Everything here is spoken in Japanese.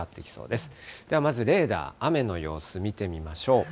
ではまずレーダー、雨の様子見てみましょう。